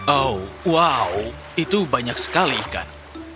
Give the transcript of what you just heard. oh wow itu banyak sekali ikan